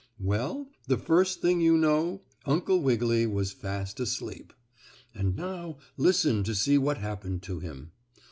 Well, the first thing you know Uncle Wiggily was fast asleep. And now listen and see what happened to him.